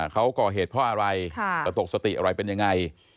เขาก่อเหตุเพราะอะไรจะตกสติอะไรเป็นยังไง